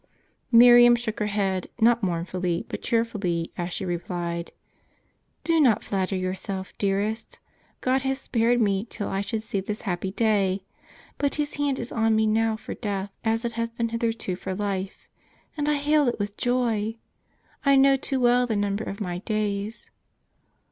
Miriam shook her head, not mournfully, but cheerfully, as she replied : "Do not" flatter yourself, dearest; God has spared me till I should see this happy day. But His hand is on me now for death, as it has been hitherto for life; and I hail it with joy. I know too well the number of my days."